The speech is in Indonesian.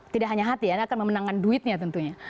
tidak hanya hati anda akan memenangkan duitnya tentunya